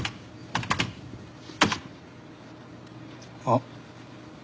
あっ。